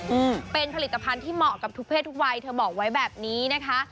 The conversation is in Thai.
อืมเป็นผลิตภัณฑ์ที่เหมาะกับทุกเพศทุกวัยเธอบอกไว้แบบนี้นะคะ